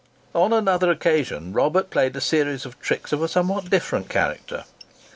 On another occasion, Robert played a series of tricks of a somewhat different character.